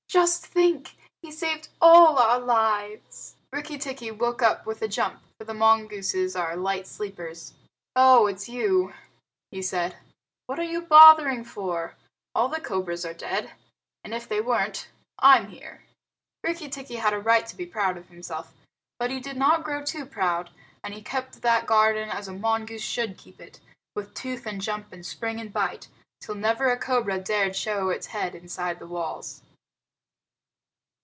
"Just think, he saved all our lives." Rikki tikki woke up with a jump, for the mongooses are light sleepers. "Oh, it's you," said he. "What are you bothering for? All the cobras are dead. And if they weren't, I'm here." Rikki tikki had a right to be proud of himself. But he did not grow too proud, and he kept that garden as a mongoose should keep it, with tooth and jump and spring and bite, till never a cobra dared show its head inside the walls.